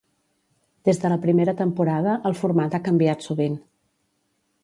Des de la primera temporada, el format ha canviat sovint.